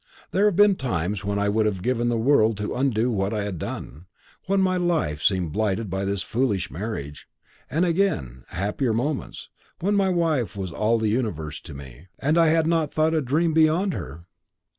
There have been times when I would have given the world to undo what I had done, when my life seemed blighted by this foolish marriage; and again, happier moments, when my wife was all the universe to me, and I had not a thought or a dream beyond her.